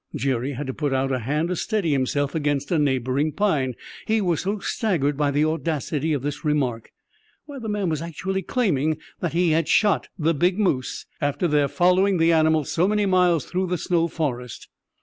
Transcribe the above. Jerry had to put out a hand to steady himself against a neighboring pine, he was so staggered by the audacity of this remark. Why, the man was actually claiming that he had shot the big moose, after their following the animal so many miles through the snow forest!